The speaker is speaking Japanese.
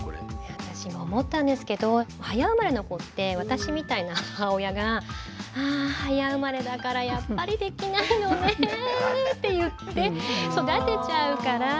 私今思ったんですけど早生まれの子って私みたいな母親が「あ早生まれだからやっぱりできないよね」って言って育てちゃうから。